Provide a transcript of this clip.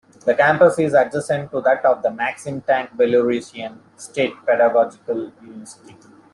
The campus is adjacent to that of the Maxim Tank Belarusian State Pedagogical University.